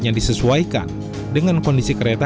jembatan bentang lrt